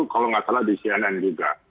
kalau nggak salah di cnn juga